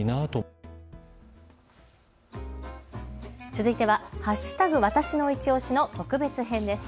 続いては＃わたしのいちオシの特別編です。